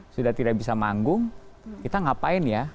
sudah tidak bisa manggung kita ngapain ya